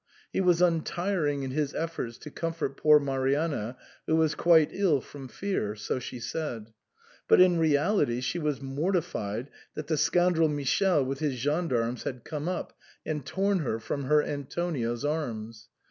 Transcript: He was untiring in his efforts to comfort poor Marianna, who was quite ill from fear, — so she said ; but in reality she was mortified that the scoundrel Michele with his gendarmes had come up, and torn her from her Antonio's arms.